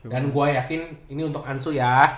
dan gue yakin ini untuk anso ya